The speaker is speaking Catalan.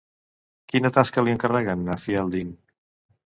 Quina tasca li encarreguen a Fielding?